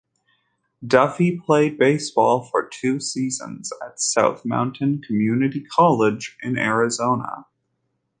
Duffy played baseball for two seasons at South Mountain Community College in Arizona.